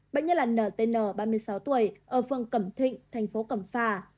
bệnh nhân là ntn ba mươi sáu tuổi ở phương cẩm thịnh thành phố cẩm phà